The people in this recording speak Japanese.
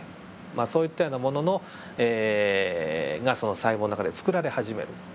まあそういったようなものがその細胞の中で作られ始める。